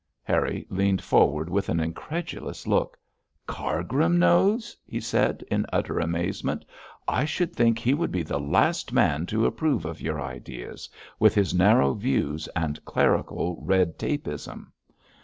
Harry leaned forward with an incredulous look. 'Cargrim knows,' he said in utter amazement. 'I should think he would be the last man to approve of your ideas, with his narrow views and clerical red tapism.'